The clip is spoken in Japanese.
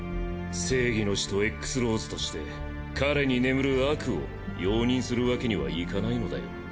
正義の使徒Ｘ−ＬＡＷＳとして彼に眠る悪を容認するわけにはいかないのだよ。